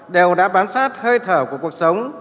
đều đã bám sát hơi thở của cuộc sống